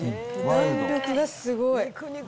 弾力がすごい。